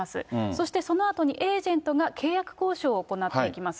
そしてそのあとに、エージェントが契約交渉を行っていきます。